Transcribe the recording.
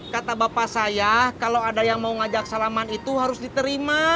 kata bapak saya kalau ada yang mau ngajak salaman itu harus diterima